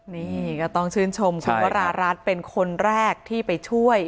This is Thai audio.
นี่ก็ต้องชื่นชมคุณวรารัฐเป็นคนแรกที่ไปช่วย